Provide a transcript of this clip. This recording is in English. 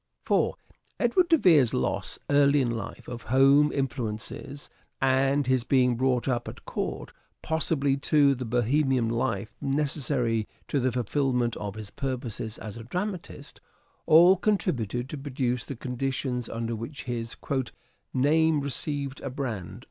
Edward de Vere's loss, early in life, of home influences, and his being brought up at court : possibly, too, the Bohemian life necessary to the fulfilment of his purposes as a dramatist, all contributed to produce the conditions under which his " name received a brand."